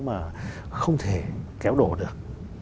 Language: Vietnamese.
mà không thể kéo đổ được